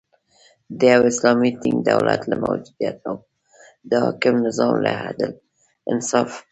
د یو اسلامی ټینګ دولت له موجودیت او د حاکم نظام له عدل، انصاف